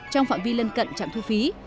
trong phạm vi lân cận trạm thu phí